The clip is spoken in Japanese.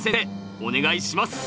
お願いします。